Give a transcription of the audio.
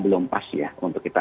belum pas ya untuk kita